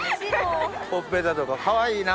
ほっぺたとかかわいいな。